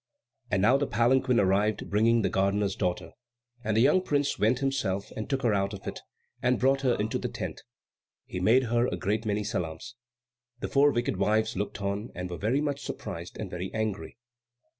And now the palanquin arrived bringing the gardener's daughter, and the young prince went himself and took her out of it, and brought her into the tent. He made her a great many salaams. The four wicked wives looked on and were very much surprised and very angry.